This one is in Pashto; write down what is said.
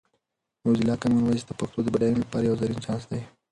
موزیلا کامن وایس د پښتو د بډاینې لپاره یو زرین چانس دی.